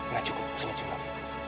gak cukup jangan cukup